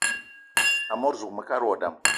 Amot zuga mekad wa dam: